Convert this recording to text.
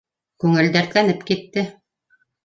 Күңел дәртләнеп китте.